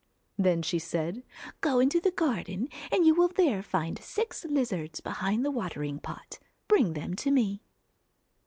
Then she said, ' Go into the garden, and you will there find six lizards behind the watering pot, bring them to me.'